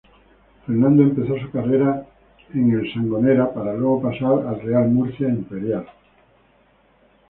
Fernando empezó su carrera en el Sangonera para luego pasar al Real Murcia Imperial.